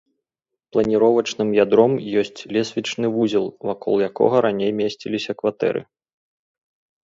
Планіровачным ядром ёсць лесвічны вузел, вакол якога раней месціліся кватэры.